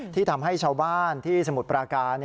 ที่ทำให้ชาวบ้านที่สมุทรปราการ